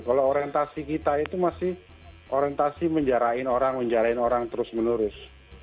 kalau orientasi kita itu masih orientasi menjarahin orang menjarahin orang terus menerus